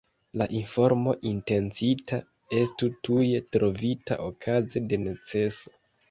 La informo intencita estu tuje trovita okaze de neceso.